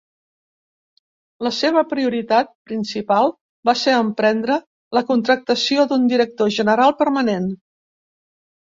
La seva prioritat principal va ser emprendre la contractació d'un director general permanent.